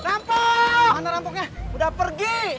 gimana rampoknya udah pergi